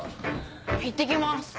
いってきます。